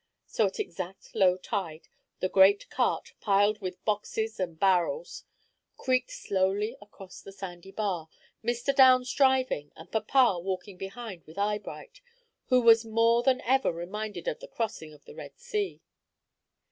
So, at exact low tide, the great cart, piled with boxes and barrels, creaked slowly across the sandy bar, Mr. Downs driving, and papa walking behind with Eyebright, who was more than ever reminded of the crossing of the Red Sea.